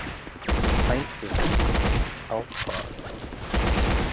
Einzelwerke (Auswahl)